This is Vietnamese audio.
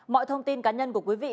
mọi thông tin cá nhân của quý vị